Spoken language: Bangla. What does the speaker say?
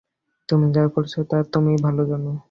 তুমি যা করেছ তা তুমি ভালোই জান।